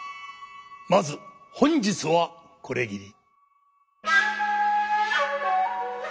まず本日はこれぎり。